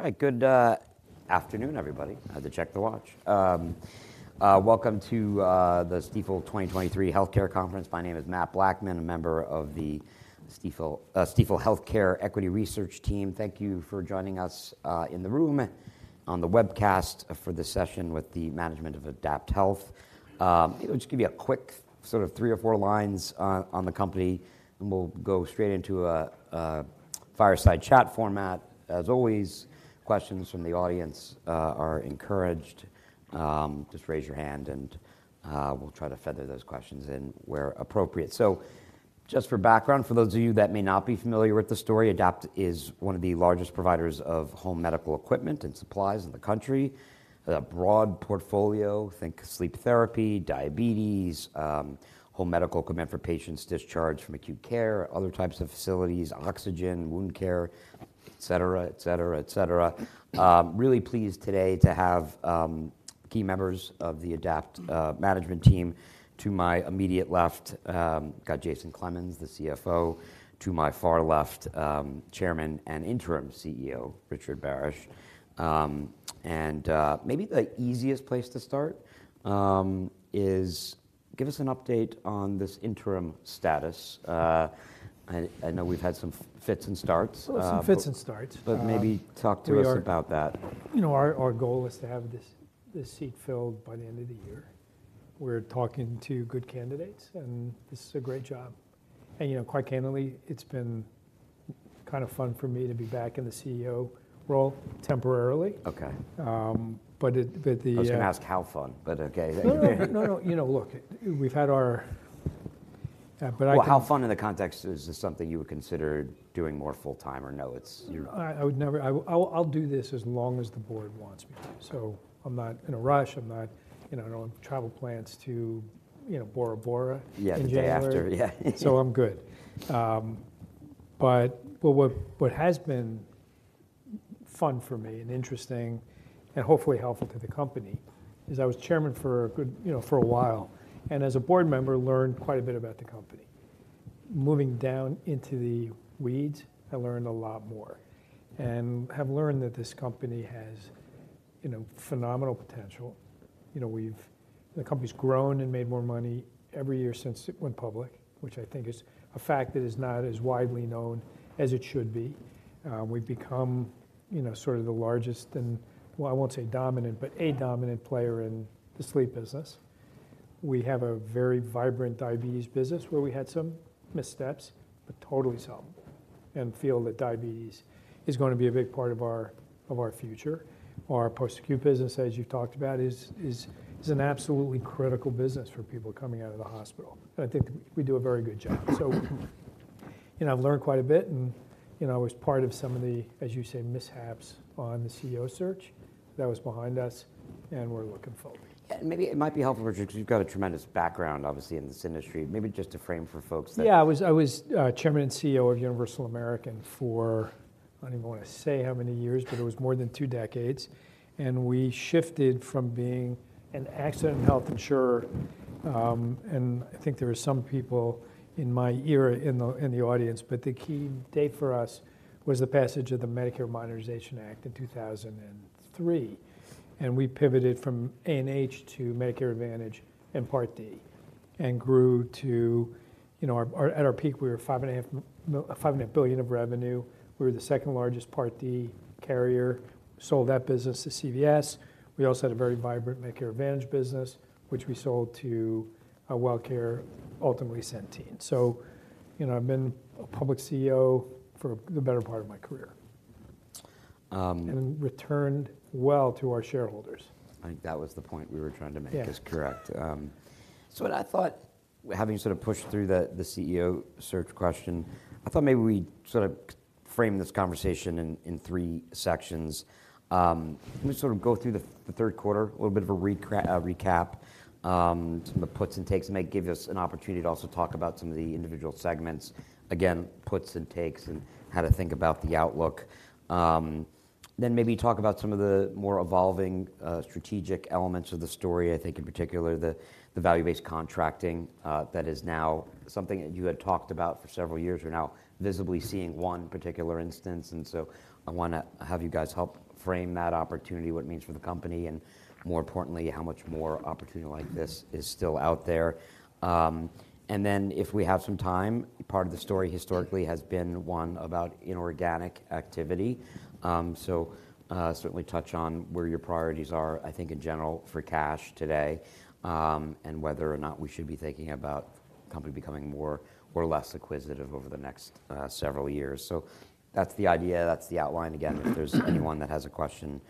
All right, good afternoon, everybody. I had to check the watch. Welcome to the Stifel 2023 Healthcare Conference. My name is Matt Blackman, a member of the Stifel Healthcare Equity Research Team. Thank you for joining us in the room, on the webcast for this session with the management of AdaptHealth. Let me just give you a quick sort of three or four lines on the company, and we'll go straight into a fireside chat format. As always, questions from the audience are encouraged. Just raise your hand, and we'll try to feather those questions in where appropriate. So just for background, for those of you that may not be familiar with the story, Adapt is one of the largest providers of home medical equipment and supplies in the country. A broad portfolio, think sleep therapy, diabetes, home medical equipment for patients discharged from acute care, other types of facilities, oxygen, wound care, et cetera, et cetera, et cetera. Really pleased today to have key members of the Adapt management team. To my immediate left, got Jason Clemens, the CFO. To my far left, Chairman and Interim CEO, Richard Barasch. Maybe the easiest place to start is give us an update on this interim status. I know we've had some fits and starts. Well, some fits and starts. Maybe talk to us about that. You know, our goal is to have this seat filled by the end of the year. We're talking to good candidates, and this is a great job. You know, quite candidly, it's been kind of fun for me to be back in the CEO role temporarily. Okay. But the I was gonna ask how fun, but okay. No, no. No, no, you know, look, we've had our... but I think- Well, how fun in the context is this something you would consider doing more full-time, or no, it's you- I would never... I'll do this as long as the board wants me to. So I'm not in a rush. I'm not, you know, I don't have travel plans to, you know, Bora Bora- Yeah, the day after. Yeah. in January. So I'm good. But what has been fun for me and interesting and hopefully helpful to the company is I was chairman for a good, you know, for a while, and as a board member, learned quite a bit about the company. Moving down into the weeds, I learned a lot more, and have learned that this company has, you know, phenomenal potential. You know, we've the company's grown and made more money every year since it went public, which I think is a fact that is not as widely known as it should be. We've become, you know, sort of the largest and, well, I won't say dominant, but a dominant player in the Sleep business. We have a very vibrant Diabetes business, where we had some missteps, but totally solvable, and feel that Diabetes is going to be a big part of our future. Our post-acute business, as you've talked about, is an absolutely critical business for people coming out of the hospital, and I think we do a very good job. So, you know, I've learned quite a bit, and, you know, I was part of some of the, as you say, mishaps on the CEO search. That was behind us, and we're looking forward. Yeah, and maybe it might be helpful, Richard, because you've got a tremendous background, obviously, in this industry. Maybe just to frame for folks that- Yeah, I was chairman and CEO of Universal American for, I don't even want to say how many years, but it was more than two decades. We shifted from being an Accident & Health insurer, and I think there are some people in my era in the audience, but the key date for us was the passage of the Medicare Modernization Act in 2003. We pivoted from A&H to Medicare Advantage and Part D and grew to... You know, our, at our peak, we were $5.5 billion of revenue. We were the second-largest Part D carrier. Sold that business to CVS. We also had a very vibrant Medicare Advantage business, which we sold to WellCare, ultimately Centene. So, you know, I've been a public CEO for the better part of my career. Um- Returned well to our shareholders. I think that was the point we were trying to make. Yeah. is correct. So what I thought, having sort of pushed through the, the CEO search question, I thought maybe we'd sort of frame this conversation in, in three sections. Let me sort of go through the, the third quarter, a little bit of a recap, some of the puts and takes. It may give us an opportunity to also talk about some of the individual segments. Again, puts and takes and how to think about the outlook. Then maybe talk about some of the more evolving, strategic elements of the story. I think, in particular, the, the value-based contracting, that is now something that you had talked about for several years. We're now visibly seeing one particular instance, and so I wanna have you guys help frame that opportunity, what it means for the company and, more importantly, how much more opportunity like this is still out there. And then, if we have some time, part of the story historically has been one about inorganic activity. So, certainly touch on where your priorities are, I think, in general, for cash today, and whether or not we should be thinking about the company becoming more or less acquisitive over the next several years. So that's the idea. That's the outline. Again, if there's anyone that has a question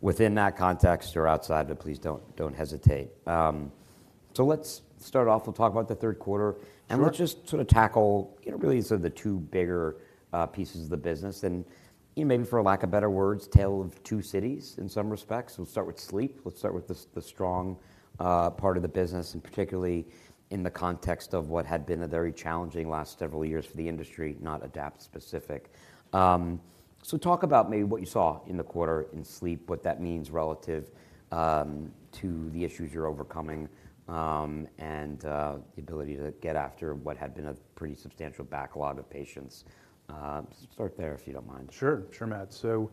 within that context or outside, please don't, don't hesitate. So let's start off. We'll talk about the third quarter. Sure. Let's just sort of tackle, you know, really sort of the two bigger pieces of the business and, you know, maybe for lack of better words, Tale of Two Cities, in some respects. We'll start with Sleep. Let's start with the strong part of the business, and particularly in the context of what had been a very challenging last several years for the industry, not Adapt specific. Talk about maybe what you saw in the quarter in Sleep, what that means relative to the issues you're overcoming, and the ability to get after what had been a pretty substantial backlog of patients. Start there, if you don't mind. Sure. Sure, Matt. So,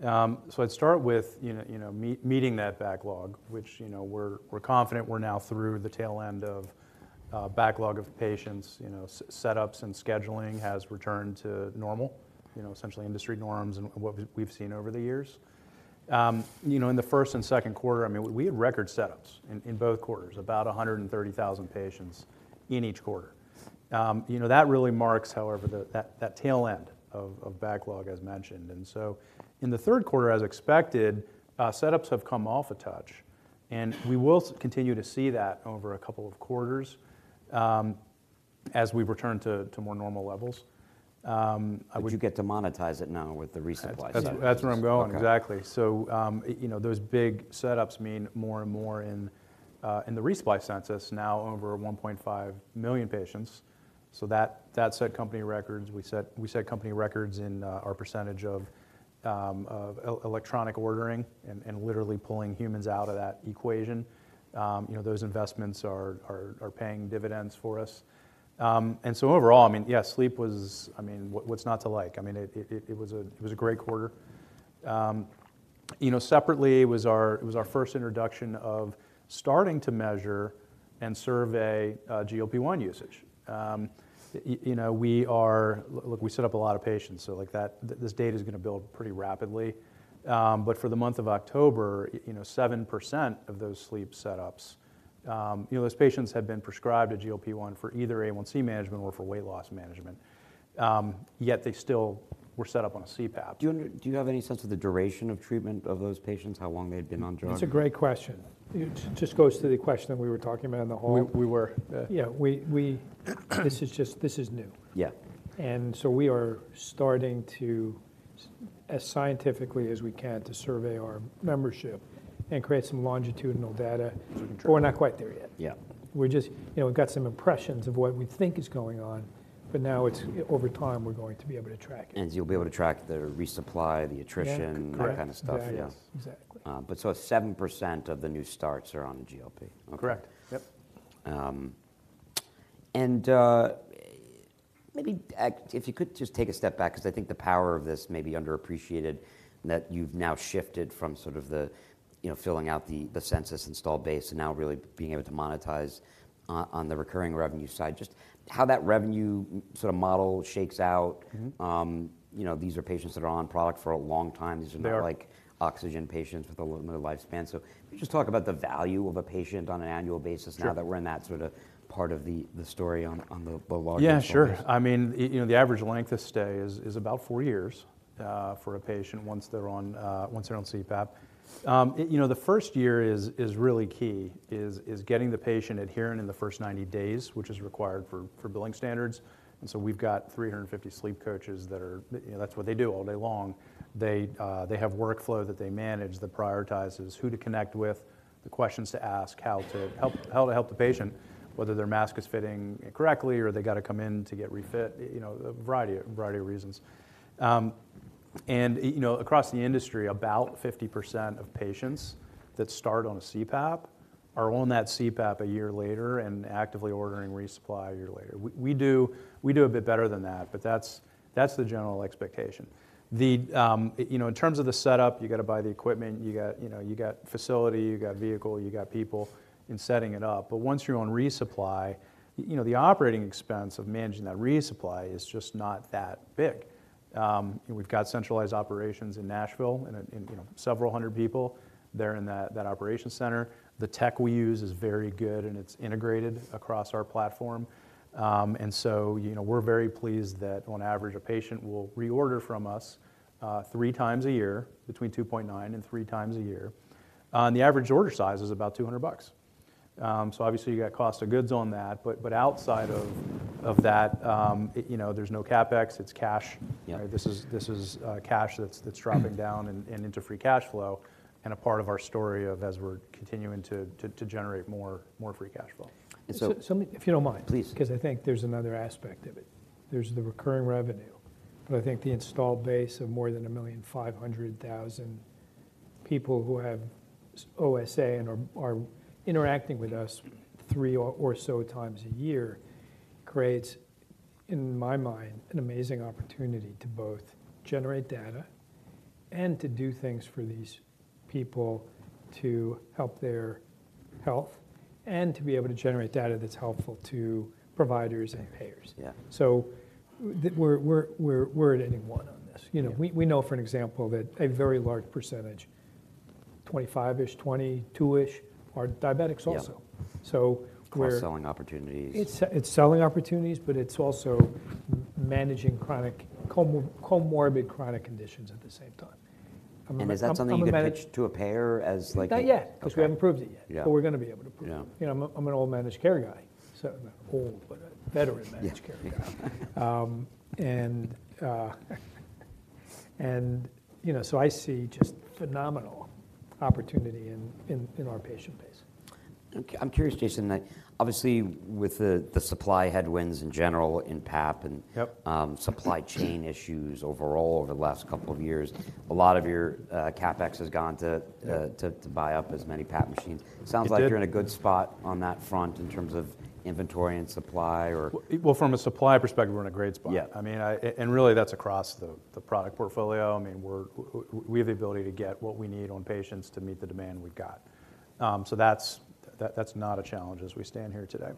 so I'd start with, you know, you know, meeting that backlog, which, you know, we're, we're confident we're now through the tail end of backlog of patients, you know, setups and scheduling has returned to normal. You know, essentially industry norms and what we've seen over the years. You know, in the first and second quarter, I mean, we had record setups in both quarters, about 130,000 patients in each quarter. You know, that really marks, however, that tail end of backlog as mentioned. And so in the third quarter, as expected, setups have come off a touch, and we will continue to see that over a couple of quarters, as we return to more normal levels. I would- But you get to monetize it now with the resupply setup. That's where I'm going. Okay. Exactly. So, you know, those big setups mean more and more in, in the resupply census, now over 1.5 million patients. So that, that set company records. We set, we set company records in, our percentage of, of electronic ordering and, and literally pulling humans out of that equation. You know, those investments are, are, are paying dividends for us. And so overall, I mean, yeah, Sleep was... I mean, what's not to like? I mean, it was a great quarter. You know, separately, it was our first introduction of starting to measure and survey, GLP-1 usage. You know, we are... Look, we set up a lot of patients, so, like, that, this data is going to build pretty rapidly. For the month of October, you know, 7% of those Sleep setups, you know, those patients had been prescribed a GLP-1 for either A1C management or for weight loss management. Yet they still were set up on a CPAP. Do you have any sense of the duration of treatment of those patients? How long they've been on drug? That's a great question. It just goes to the question we were talking about in the hall. We were. Yeah, this is just, this is new. Yeah. We are starting to, as scientifically as we can, to survey our membership and create some longitudinal data. To control- We're not quite there yet. Yeah. We're just... You know, we've got some impressions of what we think is going on, but now it's, over time, we're going to be able to track it. You'll be able to track the resupply, the attrition- Yeah, correct.... that kind of stuff. Yes. Yeah. Exactly. 7% of the new starts are on the GLP? Correct. Yep. And maybe, if you could just take a step back, because I think the power of this may be underappreciated, that you've now shifted from sort of the, you know, filling out the, the census installed base, and now really being able to monetize on the recurring revenue side. Just how that revenue sort of model shakes out- Mm-hmm. You know, these are patients that are on product for a long time. Yeah. These are not like oxygen patients with a limited lifespan. So just talk about the value of a patient on an annual basis- Sure.... now that we're in that sort of part of the story on the login performance. Yeah, sure. I mean, you know, the average length of stay is about four years for a patient, once they're on CPAP. You know, the first year is really key, getting the patient adherent in the first 90 days, which is required for billing standards. And so we've got 350 Sleep coaches that are—you know, that's what they do all day long. They have workflow that they manage, that prioritizes who to connect with, the questions to ask, how to help the patient, whether their mask is fitting incorrectly or they got to come in to get refit, you know, a variety of reasons. And, you know, across the industry, about 50% of patients that start on a CPAP are on that CPAP a year later and actively ordering resupply a year later. We, we do, we do a bit better than that, but that's, that's the general expectation. The, you know, in terms of the setup, you got to buy the equipment, you got, you know, you got facility, you got vehicle, you got people in setting it up. But once you're on resupply, you know, the operating expense of managing that resupply is just not that big. And we've got centralized operations in Nashville, and, and, you know, several hundred people there in that, that operation center. The tech we use is very good, and it's integrated across our platform. And so, you know, we're very pleased that on average, a patient will reorder from us three times a year, between 2.9 and 3 times a year. And the average order size is about $200. So obviously, you got cost of goods on that, but outside of that, you know, there's no CapEx, it's cash. Yeah. This is cash that's dropping down and into free cash flow, and a part of our story as we're continuing to generate more free cash flow. And so- So, let me... If you don't mind? Please. Because I think there's another aspect of it. There's the recurring revenue, but I think the installed base of more than 1,500,000 people who have OSA and are interacting with us 3 or so times a year creates, in my mind, an amazing opportunity to both generate data and to do things for these people to help their health, and to be able to generate data that's helpful to providers and payers. Yeah. So we're at inning one on this, you know? Yeah. We know, for example, that a very large percentage, 25%-ish, 22%-ish, are diabetics also. Yeah. So we're- Cross-selling opportunities. It's selling opportunities, but it's also managing chronic comorbid chronic conditions at the same time. I'm a manage- Is that something you can pitch to a payer as like? Not yet. Okay. Because we haven't proved it yet. Yeah. But we're gonna be able to prove it. Yeah. You know, I'm an old managed care guy, so not old, but a veteran managed care guy. And you know, so I see just phenomenal opportunity in our patient base. Okay. I'm curious, Jason, obviously, with the supply headwinds in general in PAP and- Yep... supply chain issues overall over the last couple of years, a lot of your CapEx has gone to buy up as many PAP machines. It did. Sounds like you're in a good spot on that front in terms of inventory and supply, or? Well, from a supply perspective, we're in a great spot. Yeah. I mean, and really, that's across the product portfolio. I mean, we're, we have the ability to get what we need on patients to meet the demand we've got. So that's not a challenge as we stand here today.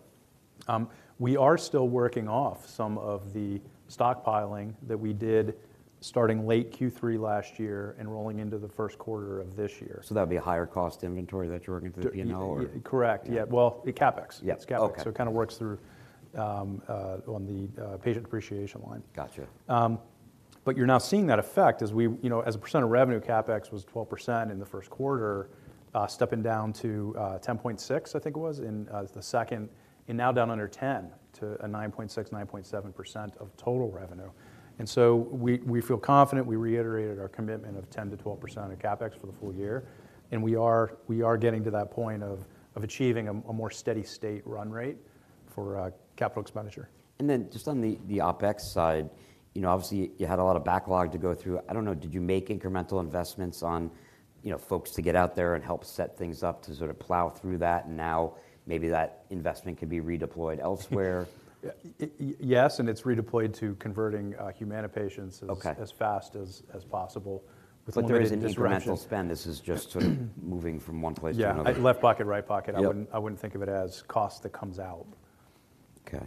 We are still working off some of the stockpiling that we did starting late Q3 last year and rolling into the first quarter of this year. That'd be a higher cost inventory that you're working through the P&L or? Correct. Yeah. Well, the CapEx. Yeah. It's CapEx. Okay. So it kind of works through on the patient depreciation line. Gotcha. But you're now seeing that effect as we, you know, as a percent of revenue, CapEx was 12% in the first quarter, stepping down to 10.6, I think it was, in the second, and now down under ten to a 9.6, 9.7% of total revenue. And so we, we feel confident, we reiterated our commitment of 10%-12% of CapEx for the full year, and we are, we are getting to that point of achieving a more steady state run rate for capital expenditure. And then just on the OpEx side, you know, obviously, you had a lot of backlog to go through. I don't know, did you make incremental investments on, you know, folks to get out there and help set things up to sort of plow through that, and now maybe that investment can be redeployed elsewhere? Yeah. Yes, and it's redeployed to converting, Humana patients- Okay... as fast as possible. But there is an incremental spend. This is just sort of moving from one place to another. Yeah, left pocket, right pocket. Yep. I wouldn't think of it as cost that comes out. Okay.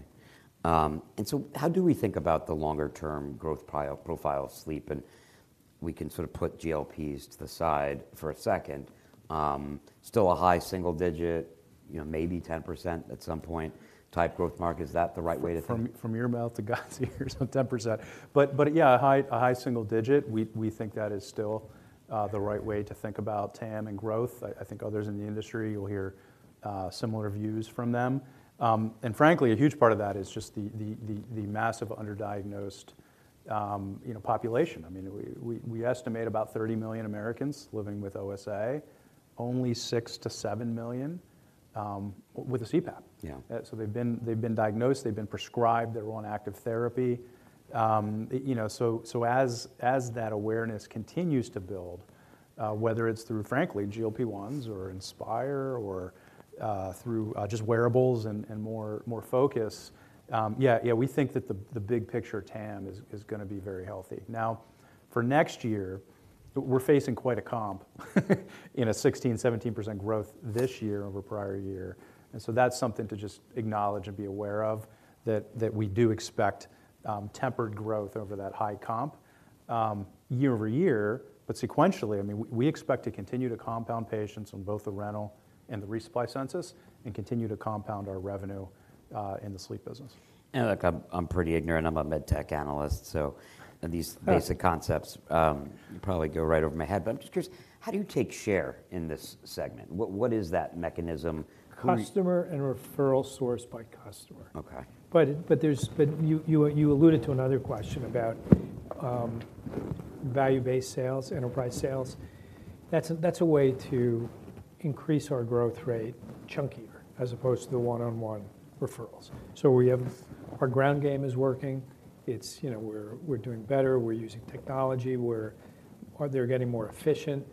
So how do we think about the longer-term growth profile of Sleep? And we can sort of put GLPs to the side for a second. Still a high single digit, you know, maybe 10% at some point, type growth mark, is that the right way to think? From your mouth to God's ears, so 10%. But yeah, a high single digit, we think that is still the right way to think about TAM and growth. I think others in the industry, you'll hear similar views from them. And frankly, a huge part of that is just the massive underdiagnosed, you know, population. I mean, we estimate about 30 million Americans living with OSA, only 6-7 million with a CPAP. Yeah. So they've been diagnosed, they've been prescribed, they're on active therapy. You know, so as that awareness continues to build, whether it's through, frankly, GLP-1s or Inspire or through just wearables and more focus, we think that the big picture TAM is gonna be very healthy. Now, for next year, we're facing quite a comp in a 16%-17% growth this year over prior year. And so that's something to just acknowledge and be aware of, that we do expect tempered growth over that high comp year-over-year. But sequentially, I mean, we expect to continue to compound patients on both the rental and the resupply census, and continue to compound our revenue in the Sleep business. And look, I'm pretty ignorant. I'm a med tech analyst, so and these basic concepts, probably go right over my head. But I'm just curious, how do you take share in this segment? What, what is that mechanism? Customer and referral source by customer. Okay. But you alluded to another question about value-based sales, enterprise sales. That's a way to increase our growth rate chunkier, as opposed to the one-on-one referrals. So we have... Our ground game is working. It's, you know, we're doing better, we're using technology, we're out there getting more efficient.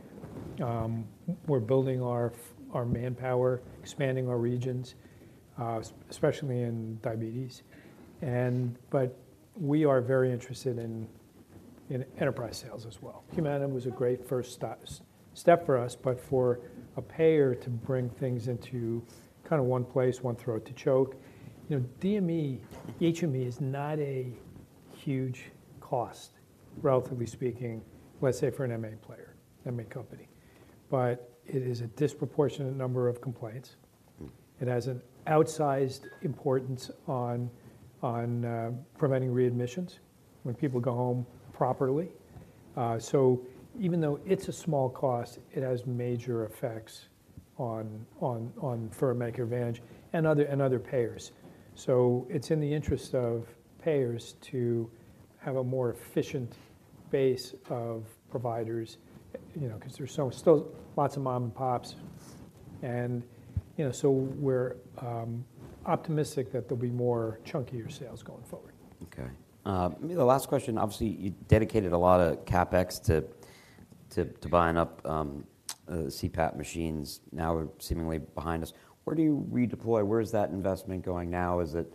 We're building our manpower, expanding our regions, especially in Diabetes. But we are very interested in enterprise sales as well. Humana was a great first step for us, but for a payer to bring things into kind of one place, one throat to choke. You know, DME, HME is not a huge cost, relatively speaking, let's say, for an MA player, MA company, but it is a disproportionate number of complaints. Mm. It has an outsized importance on preventing readmissions when people go home properly. So even though it's a small cost, it has major effects on for Medicare Advantage and payers. So it's in the interest of payers to have a more efficient base of providers, you know, 'cause there's still lots of mom and pops and, you know, so we're optimistic that there'll be more chunkier sales going forward. Okay. The last question, obviously, you dedicated a lot of CapEx to buying up CPAP machines, now seemingly behind us. Where do you redeploy? Where is that investment going now? Is it...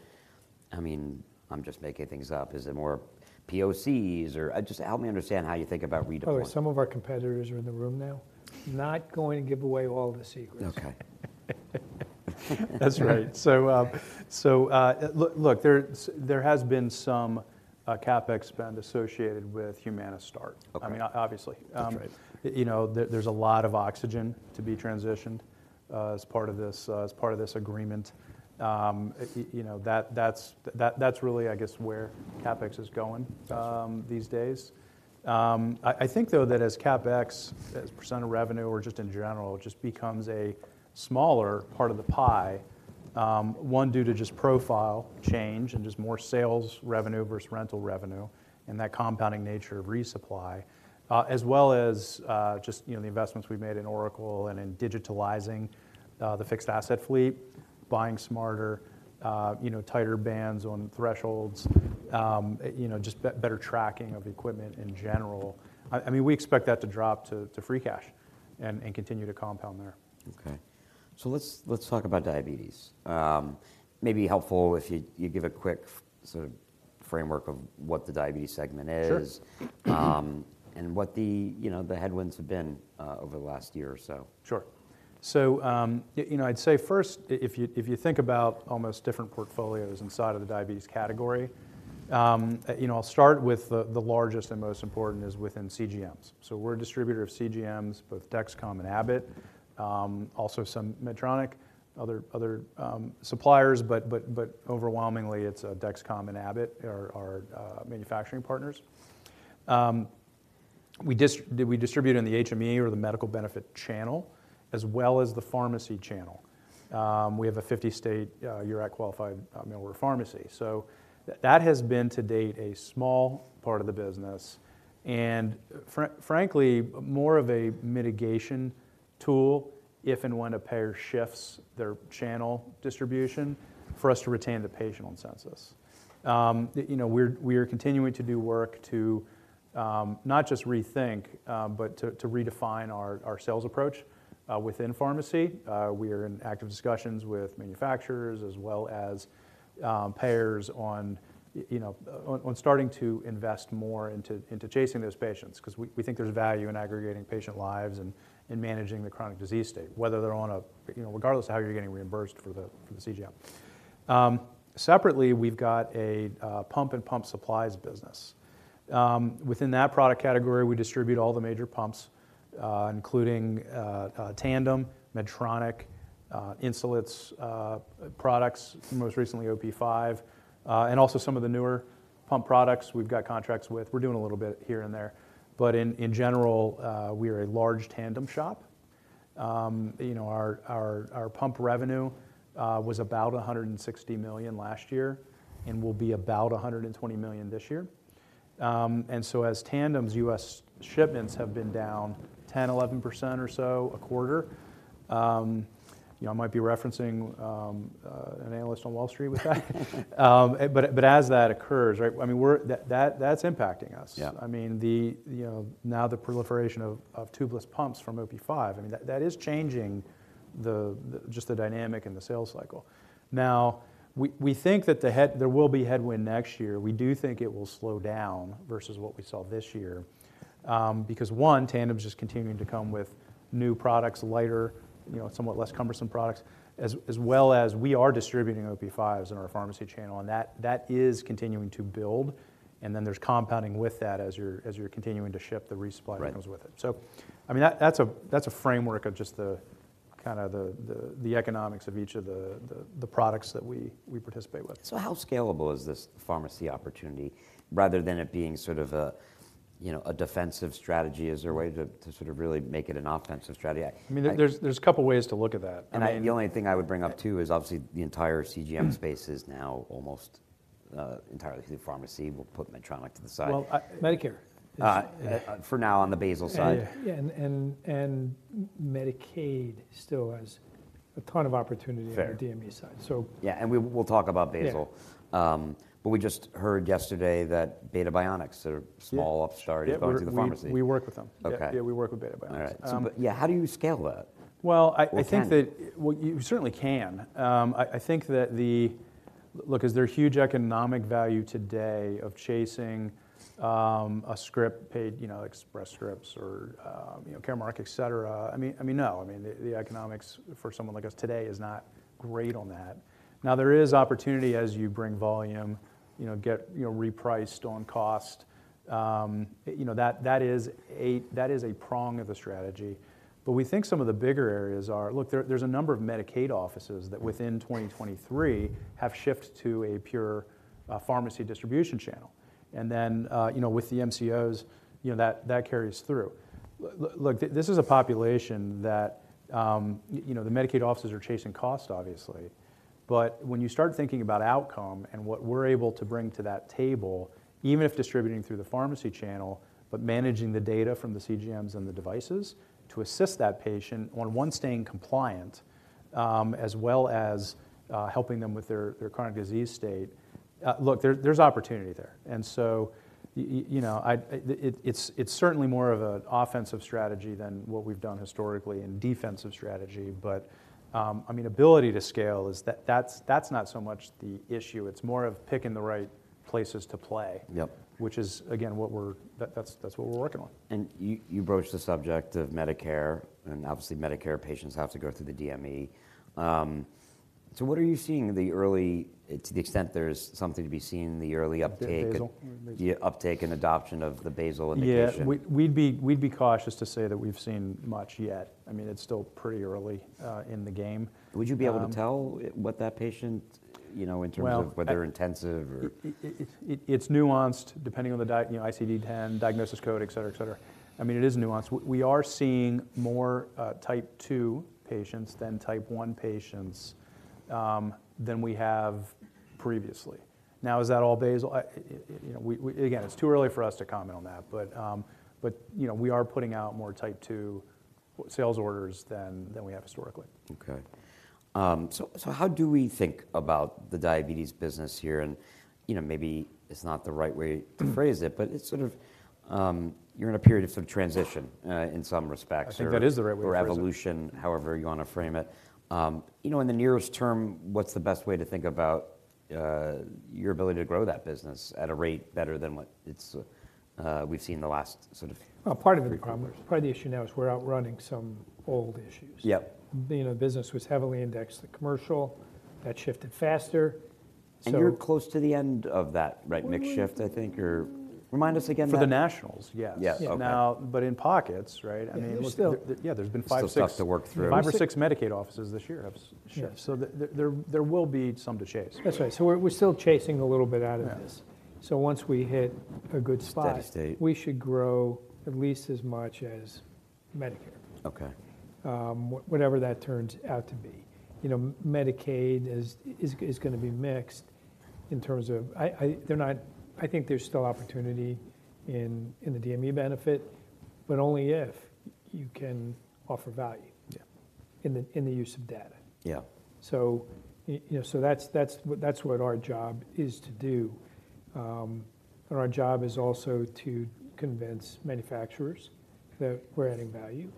I mean, I'm just making things up. Is it more POCs or... Just help me understand how you think about redeploying. Oh, some of our competitors are in the room now. Not going to give away all the secrets. Okay. That's right. So, look, there has been some CapEx spend associated with Humana - Start. Okay. I mean, obviously. That's right. You know, there's a lot of oxygen to be transitioned as part of this agreement. You know, that's really, I guess, where CapEx is going these days. I think, though, that as CapEx, as a % of revenue or just in general, just becomes a smaller part of the pie, one, due to just profile change and just more sales revenue versus rental revenue, and that compounding nature of resupply. As well as, just, you know, the investments we've made in Oracle and in digitalizing the fixed asset fleet, buying smarter, you know, tighter bands on thresholds, you know, just better tracking of equipment in general. I mean, we expect that to drop to free cash and continue to compound there. Okay. So let's, let's talk about Diabetes. Maybe helpful if you give a quick framework of what the Diabetes segment is- Sure. you know, the headwinds have been over the last year or so. Sure. So, you know, I'd say first, if you think about almost different portfolios inside of the Diabetes category, you know, I'll start with the largest and most important is within CGMs. So we're a distributor of CGMs, both Dexcom and Abbott, also some Medtronic, other suppliers, but overwhelmingly, it's Dexcom and Abbott are manufacturing partners. We distribute in the HME or the medical benefit channel, as well as the pharmacy channel. We have a 50-state URAC-qualified mail order pharmacy. So that has been, to date, a small part of the business, and frankly, more of a mitigation tool if and when a payer shifts their channel distribution for us to retain the patient on census. You know, we're continuing to do work to not just rethink, but to redefine our sales approach within pharmacy. We are in active discussions with manufacturers as well as payers on you know, on starting to invest more into chasing those patients, 'cause we think there's value in aggregating patient lives and managing the chronic disease state, whether they're on a... You know, regardless of how you're getting reimbursed for the CGM. Separately, we've got a pump and pump supplies business. Within that product category, we distribute all the major pumps, including Tandem, Medtronic, Insulet's products, most recently OP5, and also some of the newer pump products we've got contracts with. We're doing a little bit here and there, but in general, we are a large Tandem shop. You know, our pump revenue was about $160 million last year and will be about $120 million this year. And so as Tandem's U.S. shipments have been down 10-11% or so a quarter... You know, I might be referencing an analyst on Wall Street with that. But as that occurs, right, I mean, we're, that, that's impacting us. Yeah. I mean, you know, now the proliferation of tubeless pumps from OP5, I mean, that is changing the dynamic and the sales cycle. Now, we think that there will be headwind next year. We do think it will slow down versus what we saw this year, because, one, Tandem's just continuing to come with new products, lighter, you know, somewhat less cumbersome products, as well as we are distributing OP5s in our pharmacy channel, and that is continuing to build. And then there's compounding with that as you're continuing to ship the resupply- Right.... comes with it. So, I mean, that's a framework of just the kind of the economics of each of the products that we participate with. So how scalable is this pharmacy opportunity? Rather than it being sort of a, you know, a defensive strategy, is there a way to sort of really make it an offensive strategy? I- I mean, there's a couple of ways to look at that. I mean. And the only thing I would bring up, too, is obviously the entire CGM space is now almost entirely through the pharmacy. We'll put Medtronic to the side. Well, Medicare. For now, on the basal side. Yeah, and Medicaid still has a ton of opportunity. Fair.... on the DME side, so. Yeah, and we'll talk about basal. Yeah. But we just heard yesterday that Beta Bionics, a small upstart- Yeah.... going through the pharmacy. We work with them. Okay. Yeah, yeah, we work with Beta Bionics. All right. So, but yeah, how do you scale that? Well, I- Or can you?... think that, well, you certainly can. I think that... Look, is there huge economic value today of chasing a script paid, you know, Express Scripts or, you know, Caremark, et cetera? I mean, no. I mean, the economics for someone like us today is not great on that. Now, there is opportunity as you bring volume, you know, get, you know, repriced on cost. You know, that is a prong of the strategy. But we think some of the bigger areas are... Look, there's a number of Medicaid offices that within 2023 have shifted to a pure pharmacy distribution channel. And then, you know, with the MCOs, you know, that carries through. Look, this is a population that, you know, the Medicaid offices are chasing cost, obviously. But when you start thinking about outcome and what we're able to bring to that table, even if distributing through the pharmacy channel, but managing the data from the CGMs and the devices to assist that patient on, one, staying compliant, as well as, helping them with their chronic disease state, look, there's opportunity there. And so, you know, it's certainly more of an offensive strategy than what we've done historically in defensive strategy. But, I mean, ability to scale is that, that's not so much the issue. It's more of picking the right places to play- Yep... which is, again, what we're... That's, that's what we're working on. You broached the subject of Medicare, and obviously, Medicare patients have to go through the DME. So what are you seeing in the early, to the extent there's something to be seen in the early uptake- Basal, basal. The uptake and adoption of the basal indication? Yeah. We'd be cautious to say that we've seen much yet. I mean, it's still pretty early in the game. Would you be able to tell what that patient, you know, in terms of... Well-... whether intensive or? It's nuanced, depending on the diagnosis, you know, ICD-10 diagnosis code, et cetera, et cetera. I mean, it is nuanced. We are seeing more Type 2 patients than Type 1 patients than we have previously. Now, is that all basal? You know, we... Again, it's too early for us to comment on that. But, you know, we are putting out more Type 2 sales orders than we have historically. Okay. So, how do we think about the Diabetes business here? And, you know, maybe it's not the right way to phrase it- Mm.... but it's sort of, you're in a period of sort of transition, in some respects or- I think that is the right way to phrase it.... or evolution, however you wanna frame it. You know, in the nearest term, what's the best way to think about your ability to grow that business at a rate better than what it's, we've seen in the last sort of- Well, part of the problem, part of the issue now is we're outrunning some old issues. Yep. You know, the business was heavily indexed to commercial. That shifted faster, so- You're close to the end of that, right, mix shift, I think? Or remind us again now. For the nationals, yes. Yes, okay. Now, but in pockets, right? I mean- There's still- Yeah, there's been 5, 6- There's still stuff to work through. 5 or 6 Medicaid offices this year have shifted. Yes. So there will be some to chase. That's right. So we're still chasing a little bit out of this. Yeah. Once we hit a good spot- Steady state.... we should grow at least as much as Medicare. Okay. Whatever that turns out to be. You know, Medicaid is gonna be mixed in terms of... They're not, I think there's still opportunity in the DME benefit, but only if you can offer value- Yeah.... in the use of data. Yeah. So, you know, that's what our job is to do. And our job is also to convince manufacturers that we're adding value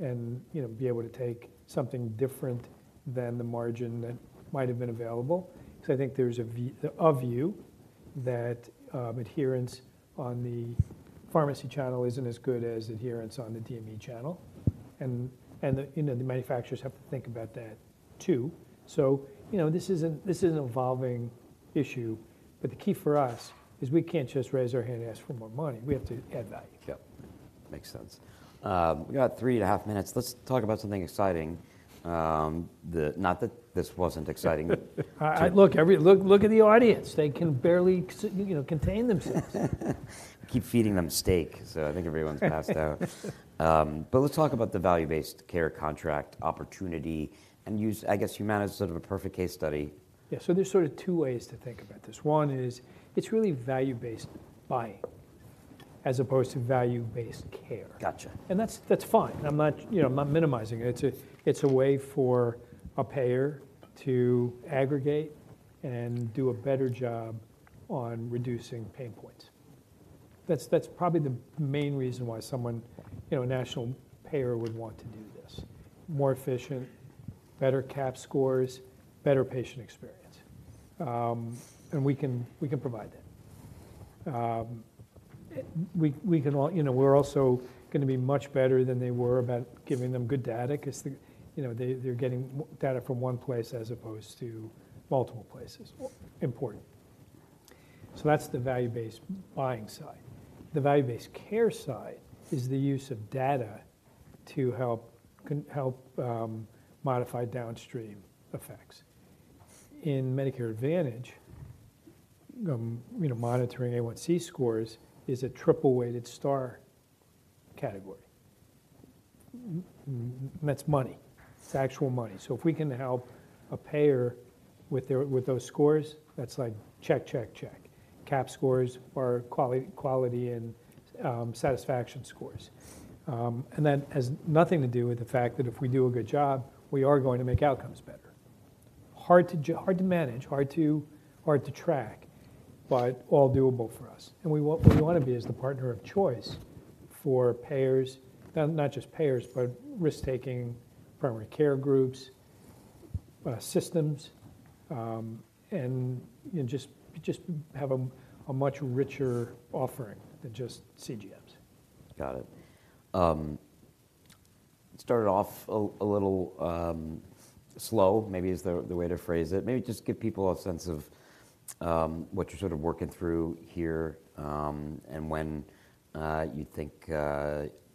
and, you know, be able to take something different than the margin that might have been available. So I think there's a view that adherence on the pharmacy channel isn't as good as adherence on the DME channel. And, you know, the manufacturers have to think about that, too. So, you know, this is an evolving issue, but the key for us is we can't just raise our hand and ask for more money, we have to add value. Yep, makes sense. We got 3.5 minutes. Let's talk about something exciting. Not that this wasn't exciting. Look, look at the audience, they can barely, you know, contain themselves. Keep feeding them steak, so I think everyone's passed out. Let's talk about the Value-Based Care contract opportunity, and use, I guess, Humana as sort of a perfect case study. Yeah, so there's sort of two ways to think about this. One is, it's really value-based buying, as opposed to Value-Based Care. Gotcha. That's fine. I'm not, you know, I'm not minimizing it. It's a way for a payer to aggregate and do a better job on reducing pain points. That's probably the main reason why someone, you know, a national payer would want to do this. More efficient, better CAHPS scores, better patient experience. And we can provide that. We can, you know, we're also gonna be much better than they were about giving them good data, 'cause, you know, they're getting data from one place as opposed to multiple places. Important. So that's the value-based buying side. The Value-Based Care side is the use of data to help modify downstream effects. In Medicare Advantage, you know, monitoring A1C scores is a triple-weighted Star category. That's money, it's actual money. So if we can help a payer with their, with those scores, that's like, check, check, check. CAHPS scores are quality, quality and, satisfaction scores. And that has nothing to do with the fact that if we do a good job, we are going to make outcomes better. Hard to manage, hard to, hard to track, but all doable for us. And we w- Mm-hmm. We wanna be as the partner of choice for payers, not just payers, but risk-taking primary care groups, systems, and just have a much richer offering than just CGMs. Got it. Started off a little slow, maybe is the way to phrase it. Maybe just give people a sense of what you're sort of working through here, and when you think,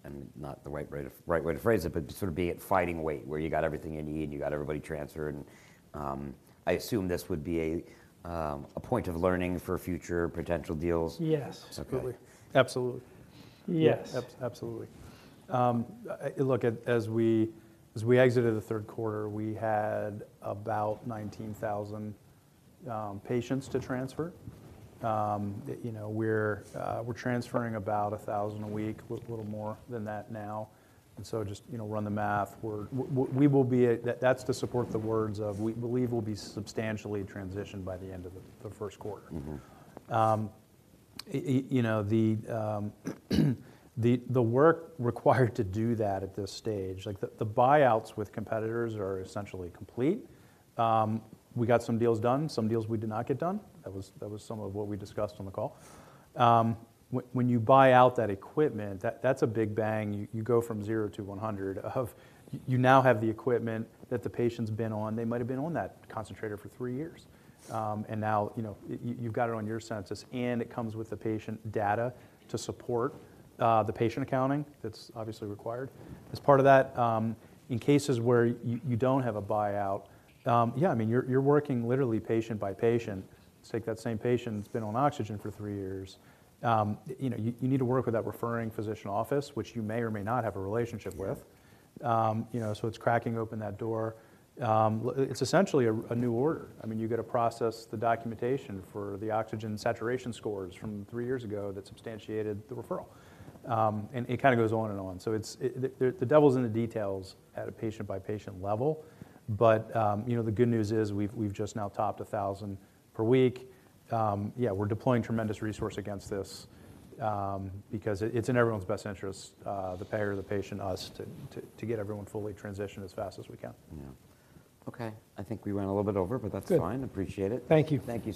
and not the right way to phrase it, but sort of be at fighting weight, where you got everything you need, and you got everybody transferred, and I assume this would be a point of learning for future potential deals? Yes. Okay. Absolutely. Yes. Yep, absolutely. Look, as we exited the third quarter, we had about 19,000 patients to transfer. You know, we're transferring about 1,000 a week, a little more than that now. So just, you know, run the math. We will be at... That's to support the words of, we believe we'll be substantially transitioned by the end of the first quarter. Mm-hmm. You know, the work required to do that at this stage, like the buyouts with competitors are essentially complete. We got some deals done, some deals we did not get done, that was some of what we discussed on the call. When you buy out that equipment, that's a big bang, you go from 0 to 100 of... You now have the equipment that the patient's been on. They might have been on that concentrator for 3 years. And now, you know, you've got it on your census, and it comes with the patient data to support the patient accounting, that's obviously required. As part of that, in cases where you don't have a buyout, yeah, I mean, you're working literally patient by patient. Let's take that same patient that's been on oxygen for 3 years, you know, you need to work with that referring physician office, which you may or may not have a relationship with. Yeah. You know, so it's cracking open that door. It's essentially a new order. I mean, you've got to process the documentation for the oxygen saturation scores from three years ago, that substantiated the referral. And it kind of goes on and on. So it's the devil's in the details at a patient-by-patient level, but you know, the good news is, we've just now topped 1,000 per week. Yeah, we're deploying tremendous resource against this, because it's in everyone's best interest, the payer, the patient, us, to get everyone fully transitioned as fast as we can. Yeah. Okay, I think we went a little bit over- Good. But that's fine. Appreciate it. Thank you. Thank you so much.